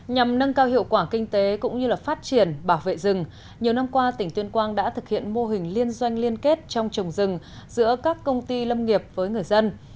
nhằm nâng cao hiệu quả kinh tế cũng như phát triển bảo vệ rừng nhiều năm qua tỉnh tuyên quang đã thực hiện mô hình liên doanh liên kết trong trồng rừng giữa các công ty lâm nghiệp với người dân